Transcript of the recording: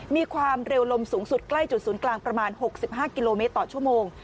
มีความเร็วลมสูงสุดใกล้จุดศูนย์กลางประมาณ๖๕กิโลเมตรต่อชั่วโมง